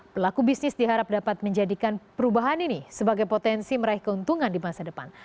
pelaku bisnis diharap dapat menjadikan perubahan ini sebagai potensi meraih keuntungan di masa depan